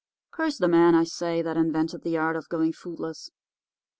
Curse the man, I say, that invented the art of going foodless.